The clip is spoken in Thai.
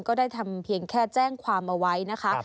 ก็ได้ทำเพียงแค่แจ้งความเอาไว้นะคะ